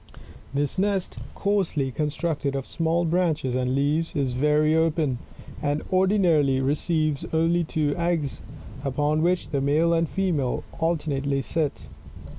This nest, coarsely constructed of small branches and leaves, is very open, and ordinarily receives only two eggs, upon which the male and female alternately sit.